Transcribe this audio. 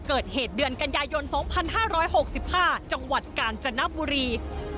เกิดเหตุเดือนกันยายน๒๕๖๕จังหวัดกาญจนบุรี